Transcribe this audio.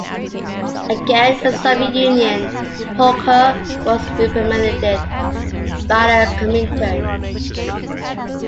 Again in the Soviet Union, Pauker was reprimanded by the Comintern.